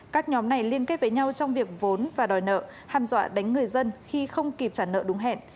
các nhóm này liên kết với nhau trong việc vốn và đòi nợ hàm dọa đánh người dân khi không kịp trả nợ đúng hẹn